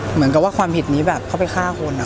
เหมือนกับว่าความผิดนี้แบบเขาไปฆ่าคน